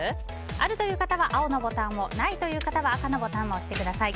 あるという方は青のボタンをないという方は赤のボタンを押してください。